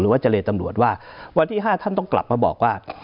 เจรตำรวจว่าวันที่๕ท่านต้องกลับมาบอกว่า